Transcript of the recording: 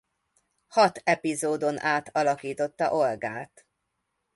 Hat epizódon át alakította Olgát.